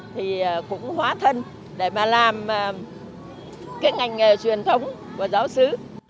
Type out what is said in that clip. thì cũng hóa thân để mà làm cái ngành nghề truyền thống của giáo sứ